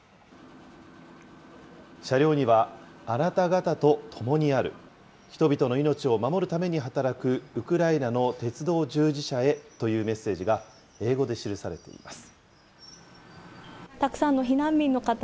車両には、あなた方と共にある、人々の命を守るために働くウクライナの鉄道従事者へというメッセージが英語で記されています。